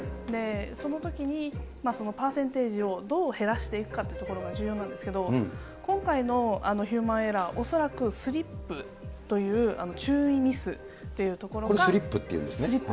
そのときに、そのパーセンテージをどう減らしていくかっていうところが重要なんですけど、今回のヒューマンエラー、恐らくスリップという、これ、スリップっていうんですね。